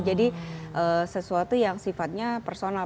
jadi sesuatu yang sifatnya personal